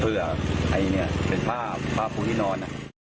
เพื่อไอเนี้ยเป็นผ้าผ้าปูิ่นอน